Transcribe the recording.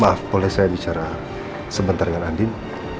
maaf boleh saya bicara sebentar dengan adil